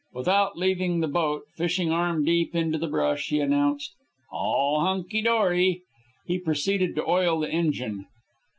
Without leaving the boat, fishing arm deep into the brush, he announced, "All hunky dory." He proceeded to oil the engine.